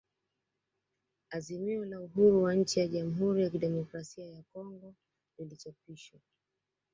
Azimio la uhuru wa nchi ya Jamhuri ya kidemokrasia ya Kongo lilichapishwa